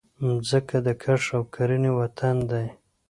مځکه د کښت او کرنې وطن دی.